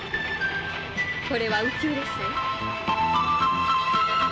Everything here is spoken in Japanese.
これは宇宙列車よ。